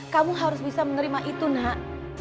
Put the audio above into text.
kamu harus bisa menerima itu nak